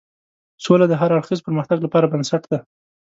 سوله د هر اړخیز پرمختګ لپاره بنسټ ده.